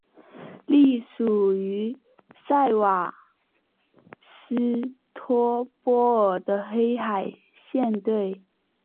隶属于塞瓦斯托波尔的黑海舰队。